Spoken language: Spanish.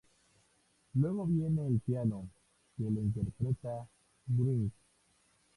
Luego viene el piano, que lo interpreta Wright.